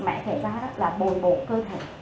mẹ kể ra đó là bồi bổ cơ thể